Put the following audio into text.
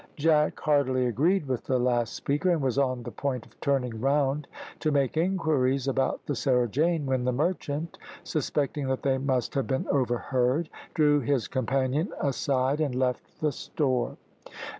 Jack heartily agreed with the last speaker, and was on the point of turning round to make inquiries about the Sarah Jane, when the merchant, suspecting that they must have been overheard, drew his companion aside and left the store.